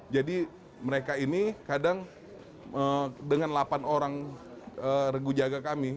jadi mereka ini kadang dengan delapan orang regu jaga kami